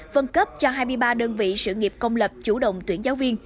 phân cấp cho hai mươi ba đơn vị sự nghiệp công lập chủ động tuyển giáo viên